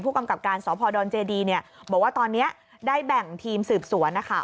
กำกับการสพดเจดีเนี่ยบอกว่าตอนนี้ได้แบ่งทีมสืบสวนนะคะ